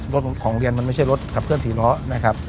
รถของเรียนมันไม่ใช่รถขับเคลื่อ๔ล้อนะครับ